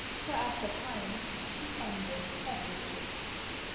For after time she endeth every trick.